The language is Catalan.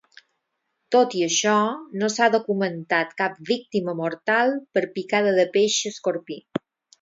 Tot i això, no s'ha documentat cap víctima mortal per picada de peix escorpí.